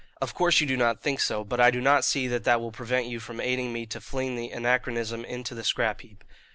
Of course you do not think so; but I do not see that that will prevent you from aiding me to fling the anachronism into the scrap heap.